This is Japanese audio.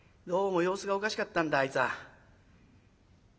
どうも様子がおかしかったんだあいつは。